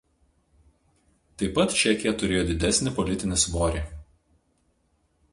Taip pat Čekija turėjo didesnį politinį svorį.